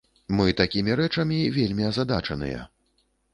Мы такімі рэчамі вельмі азадачаныя.